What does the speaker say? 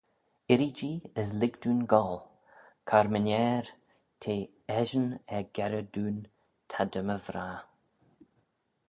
Irree-jee, as lhig dooin goll: cur-my-ner, t'eh eshyn er-gerrey dooin ta dy my vrah.